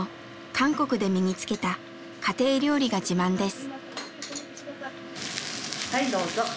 韓国で身につけた家庭料理が自慢です。